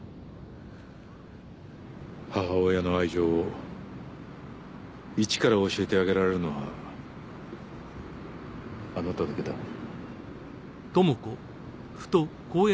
母親の愛情を一から教えてあげられるのはあなただけだ。